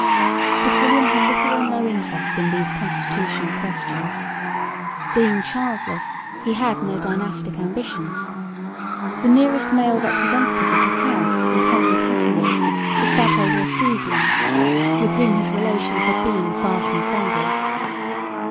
But William had little or no interest in these constitutional questions. Being childless, he had no dynastic ambitions. The nearest male representative of his house was Henry Casimir, the stadholder of Friesland, with whom his relations had been far from friendly.